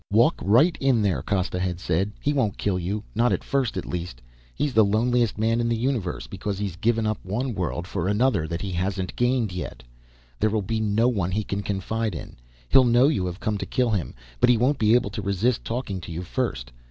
"Walk right in there," Costa had said. "He won't kill you. Not at first, at least. He's the loneliest man in the universe, because he has given up one world for another that he hasn't gained yet. There will be no one he can confide in. He'll know you have come to kill him, but he won't be able to resist talking to you first.